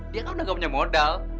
dia kan sudah tidak punya modal